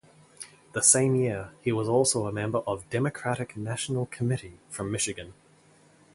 The same year, he was also a member of Democratic National Committee from Michigan.